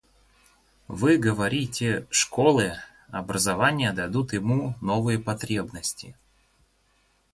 Вы говорите, школы, образование дадут ему новые потребности.